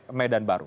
polsek medan baru